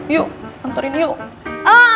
yuk anterin yuk